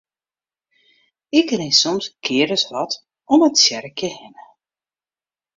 Ik rin soms in kear as wat om it tsjerkje hinne.